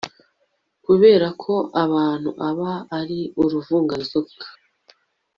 kubera ko abantu aba ari uruvunganzoka